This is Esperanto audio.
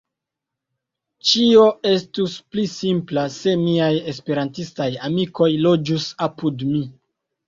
Ĉio estus pli simpla se miaj Esperantistaj amikoj loĝus apud mi.